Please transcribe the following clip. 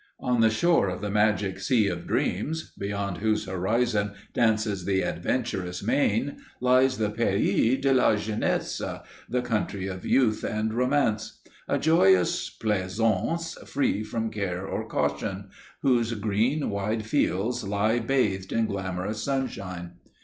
On the shore of the magic Sea of Dreams, beyond whose horizon dances the Adventurous Main, lies the Pays de la Jeunesse, the country of Youth and Romance, a joyous plaisaunce free from care or caution, whose green, wide fields lie bathed in glamorous sunshine.